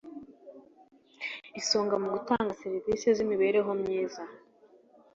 isonga mu gutuma serivisi z imibereho myiza